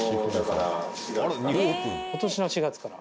今年の４月から。